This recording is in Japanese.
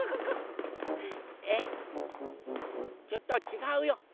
ちょっとちがうよ。